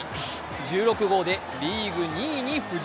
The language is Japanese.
１６号でリーグ２位に浮上。